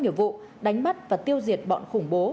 nghiệp vụ đánh bắt và tiêu diệt bọn khủng bố